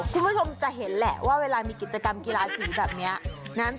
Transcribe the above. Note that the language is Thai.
คุณผู้ชมจะเห็นแหละว่าเวลามีกิจกรรมกีฬาสีแบบนี้